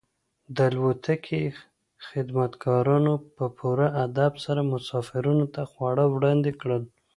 د الوتکې خدمتګارانو په پوره ادب سره مسافرانو ته خواړه وړاندې کړل.